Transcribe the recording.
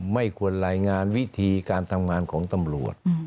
ไม่ควรรายงานวิธีการทำงานของตำรวจ